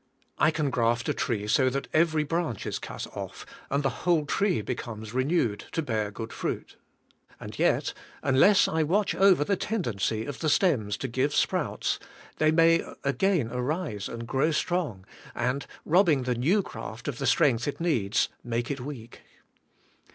I can graft a tree so that every AS YOUR SANCTIFICATION. 75 branch is cut off, and the "whole tree becomes renewed to bear good fruit; and yet, unless I watch over the tendency of the stems to give sprouts, they may again rise and grow strong, and, robbing the new graft of the strength it needs, make it weak.